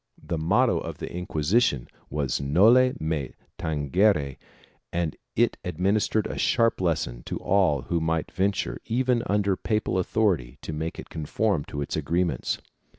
1 The motto of the Inquisition was noli me tangere and it administered a sharp lesson to all who might venture, even under papal authority, to make it conform to its agreements.